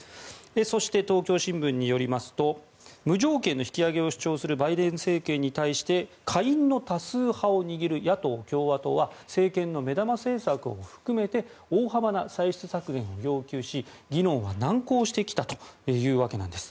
そして東京新聞によりますと無条件の引き上げを主張するバイデン政権に対して下院の多数派を握る野党・共和党は政権の目玉政策を含めて大幅な歳出削減を要求し議論は難航してきたというわけなんです。